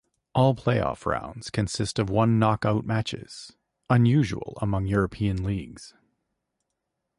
All playoff rounds consist of one-off knockout matches, unusual among European leagues.